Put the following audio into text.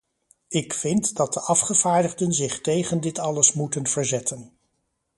Ik vind dat de afgevaardigden zich tegen dit alles moeten verzetten.